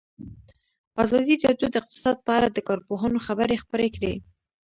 ازادي راډیو د اقتصاد په اړه د کارپوهانو خبرې خپرې کړي.